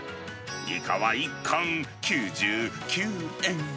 イカは１貫９９円。